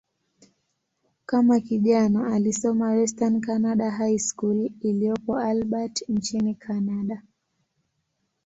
Kama kijana, alisoma "Western Canada High School" iliyopo Albert, nchini Kanada.